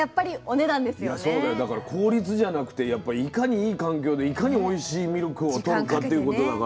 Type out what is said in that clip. だから効率じゃなくてやっぱりいかにいい環境でいかにおいしいミルクをとるかっていうことだから。